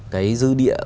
cái dư địa